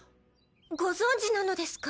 ご存じなのですか？